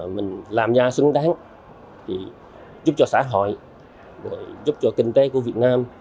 mình làm ra xứng đáng giúp cho xã hội giúp cho kinh tế của việt nam